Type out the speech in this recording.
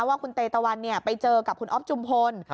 ว่าคุณเตตะวันไปเจอกับคุณอ๊อฟจุมพล